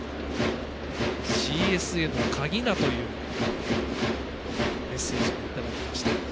ＣＳへの鍵だ！！というメッセージもいただきました。